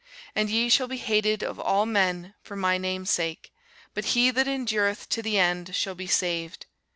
And ye shall be hated of all men for my name's sake: but he that endureth to the end shall be saved.